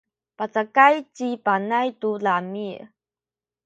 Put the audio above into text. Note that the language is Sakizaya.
pacakay ci Panay tu lami’.